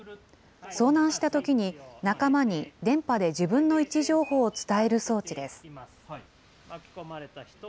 遭難したときに仲間に電波で自分の位置情報を伝える装置です。